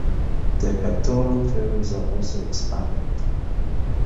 Their pectoral fins are also expanded.